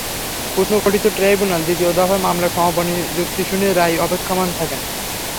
পুনর্গঠিত tribunal দ্বিতীয় দফায় মামলার সমাপনী যুক্তি শুনে রায় অপেক্ষমাণ রাখলেন।